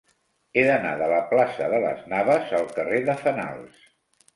He d'anar de la plaça de Las Navas al carrer de Fenals.